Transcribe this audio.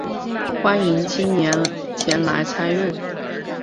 欢迎青年前来参与